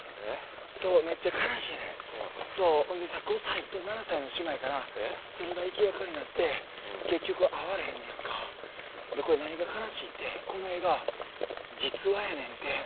そうめっちゃ悲しいねんほんでさ５歳と７歳の姉妹かなそれが生き別れになって結局会われへんねやんかこれ何が悲しいってこの映画実話やねんって。